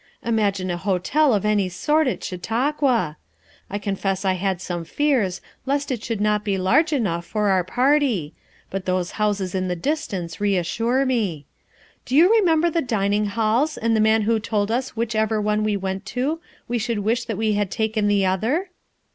Imagine a hotel of any sort at Chautauqua! I confess I had some fears lest it should not he large enough for our party, hut those houses in the distance reassure me. Do you remember the dining halls and the man who told us which ever one we went to we should wish that we had taken the other?"